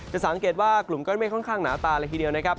สังเกตว่ากลุ่มก้อนเมฆค่อนข้างหนาตาเลยทีเดียวนะครับ